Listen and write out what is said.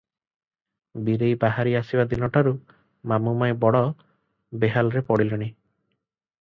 ବୀରେଇ ବାହାରି ଆସିବା ଦିନ ଠାରୁ ମାମୁ ମାଇଁ ବଡ ବେହାଲରେ ପଡିଲେଣି ।